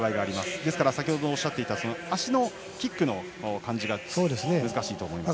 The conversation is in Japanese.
ですから先ほどおっしゃっていたキックの感じが難しいと思います。